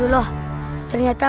gue pasti menang